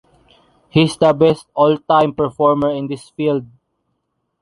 He’s the best all-time performer in this field.